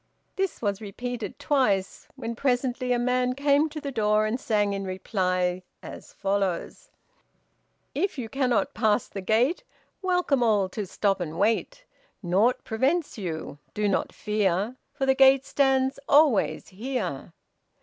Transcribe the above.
This was repeated twice, when presently a man came to the door and sang, in reply, as follows: "If you cannot pass the gate, Welcome all to stop and wait. Nought prevents you. Do not fear, For the gate stands always here."